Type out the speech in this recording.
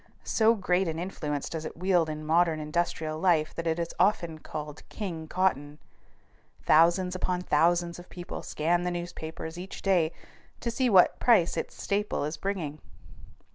So great an influence does it wield in modern industrial life that it is often called King Cotton. Thousands upon thousands of people scan the newspapers each day to see what price its staple is bringing.